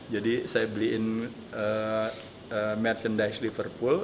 jadi saya beliin merchandise liverpool